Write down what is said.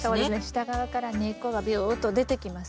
下側から根っこがビューッと出てきます。